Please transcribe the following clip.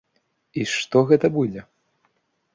І што гэта будзе?